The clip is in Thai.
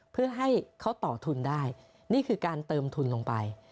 เพื่อให้เขาต่อทุนได้นี่คือการเติมทุนลงไป